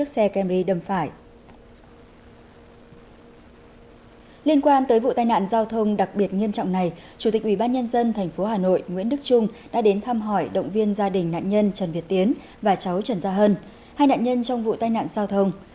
liên quan tới vụ tai nạn giao thông đặc biệt nghiêm trọng này chủ tịch ubnd tp hà nội nguyễn đức trung đã đến thăm hỏi động viên gia đình nạn nhân trần việt tiến và cháu trần gia hơn hai nạn nhân trong vụ tai nạn giao thông